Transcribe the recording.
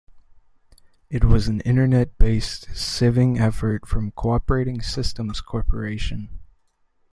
It was an internet-based sieving effort from Cooperating Systems Corporation.